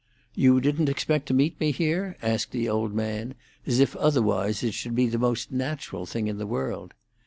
"You didn't expect to meet me here?" asked the old man, as if otherwise it should be the most natural thing in the world.